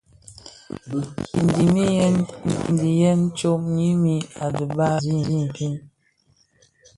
Ndiñiyèn diiyèn tsög yiñim a dhiba zi infin.